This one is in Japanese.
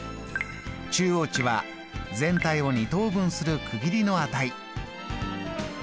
中央値は全体を２等分する区切りの値。